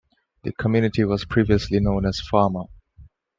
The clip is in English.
The community was previously known as Farmer.